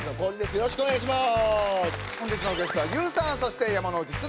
よろしくお願いします。